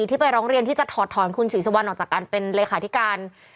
ที่ไปร้องเรียนที่จะถอดถอนคุณศรีสุวรรณออกจากการเป็นเลขาธิการ